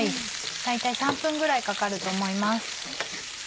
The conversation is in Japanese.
大体３分ぐらいかかると思います。